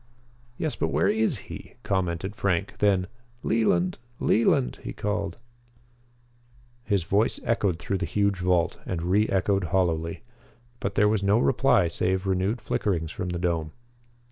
"Yes, but where is he?" commented Frank. Then: "Leland! Leland!" he called. His voice echoed through the huge vault and re echoed hollowly. But there was no reply save renewed flickerings from the dome.